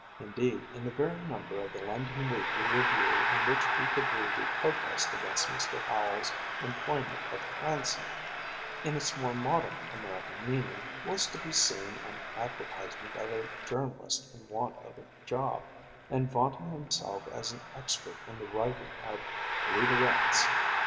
Indeed, in the very number of the London weekly review in which we could read a protest against Mr. Howells's employment of transom in its more modern American meaning was to be seen an advertisement of a journalist in want of a job, and vaunting himself as expert in the writing of leaderettes.